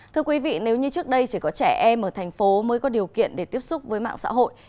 thưa quý vị nếu như trước đây chỉ có trẻ em ở thành phố mới có điều kiện để tiếp xúc với mạng xã hội